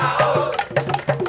terima kasih bu fatwa